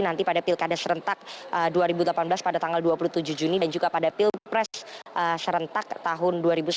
nanti pada pilkada serentak dua ribu delapan belas pada tanggal dua puluh tujuh juni dan juga pada pilpres serentak tahun dua ribu sembilan belas